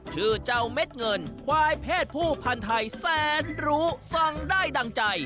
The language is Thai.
ชื่อเจ้าเม็ดเงินควายเพศผู้พันธ์ไทยแสนรู้สั่งได้ดั่งใจ